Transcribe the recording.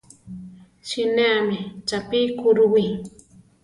Sineámi chápi kurúwi.